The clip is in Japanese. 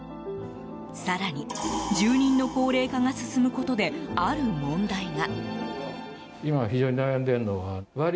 更に、住人の高齢化が進むことである問題が。